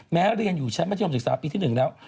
แม้เรียนอยู่ชั้นประธิบัติศึกษาปีที่๑แล้ว